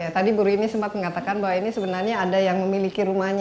tadi bu rini sempat mengatakan bahwa ini sebenarnya ada yang memiliki rumahnya